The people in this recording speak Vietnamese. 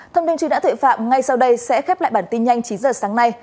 thông tin truyền hãng thuệ phạm ngay sau đây sẽ khép lại bản tin nhanh chín h sáng nay